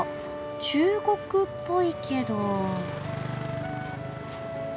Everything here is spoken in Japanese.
中国っぽいけど。